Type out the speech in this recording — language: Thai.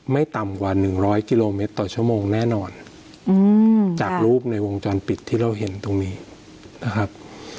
ไม่ต่ำกว่าหนึ่งร้อยกิโลเมตรต่อชั่วโมงแน่นอนจากรูปในวงจรปิดที่เราเห็นตรงนี้นะครับ